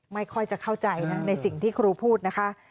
ไม่ค่อยจะเข้าใจนะในสิ่งที่ครูพูดนะคะ